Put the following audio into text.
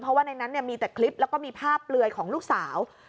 เพราะว่าในนั้นมีแต่คลิปแล้วก็มีภาพเปลือยของลูกสาว